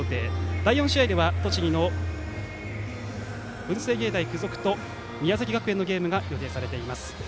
第４試合では栃木の文星芸大付属と宮崎学園のゲームが予定されています。